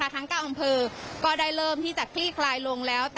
ทั้ง๙อำเภอก็ได้เริ่มที่จะคลี่คลายลงแล้ว